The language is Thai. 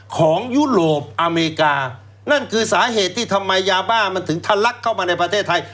ยุโรปอเมริกานั่นคือสาเหตุที่ทำไมยาบ้ามันถึงทะลักเข้ามาในประเทศไทย